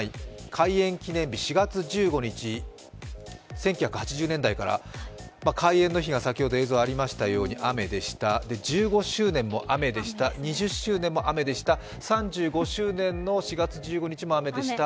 開園記念日４月１５日、１９８０年代から開園の日が先ほど映像あったように雨でした、１５周年も雨でした、２０周年も３５周年の４月１５日も雨でした。